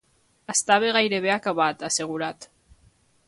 “Estava gairebé acabat”, ha assegurat.